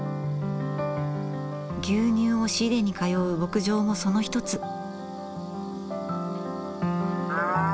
牛乳を仕入れに通う牧場もその一つ。